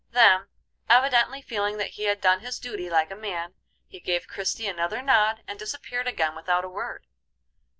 Then, evidently feeling that he had done his duty like a man, he gave Christie another nod, and disappeared again without a word.